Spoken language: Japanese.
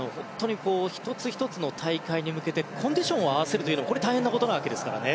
１つ１つの大会に向けてコンディションを合わせるのは大変なことなわけですからね。